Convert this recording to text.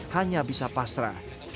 hanya bisa pasrah